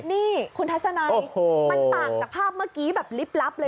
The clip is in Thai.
นี่คุณทัศนัยมันต่างจากภาพเมื่อกี้แบบลิบลับเลย